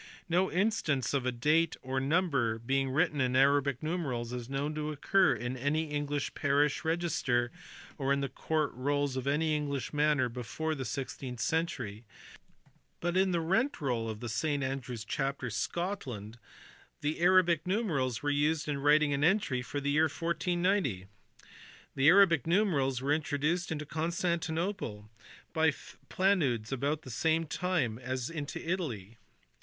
No instance of a date or number being written in Arabic numerals is known to occur in any English parish register or the court rolls of any English manor before the sixteenth century ; but in the rent roll of the St Andrews Chapter, Scotland, the Arabic numerals are used in writing an entry for the year 1490. The Arabic numerals were introduced into Constantinople by Planudes at about the same time as into Italy (see above, p.